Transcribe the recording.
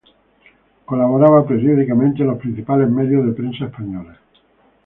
Colaboraba periódicamente en los principales medios de prensa españoles.